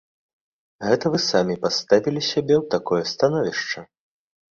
Гэта вы самі паставілі сябе ў такое становішча!